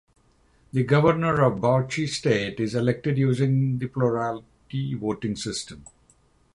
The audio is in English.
The Governor of Bauchi State is elected using the plurality voting system.